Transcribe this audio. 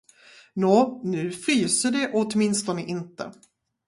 Nå, nu fryser det åtminstone inte.